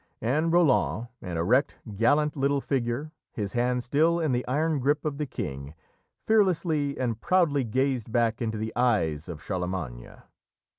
And Roland, an erect, gallant, little figure, his hand still in the iron grip of the King, fearlessly and proudly gazed back into the eyes of Charlemagne.